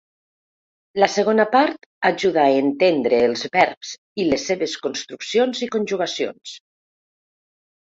La segona part ajuda a entendre els verbs i les seves construccions i conjugacions.